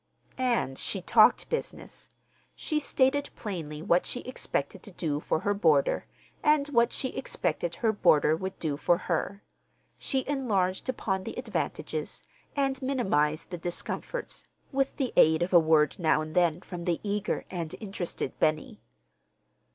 And she talked business. She stated plainly what she expected to do for her boarder, and what she expected her boarder would do for her. She enlarged upon the advantages and minimized the discomforts, with the aid of a word now and then from the eager and interested Benny.